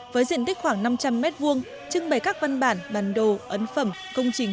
với diện tích khoảng năm trăm linh m hai trưng bày các văn bản bản đồ ấn phẩm công trình